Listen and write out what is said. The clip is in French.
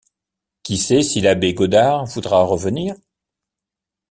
Qui sait si l’abbé Godard voudra revenir?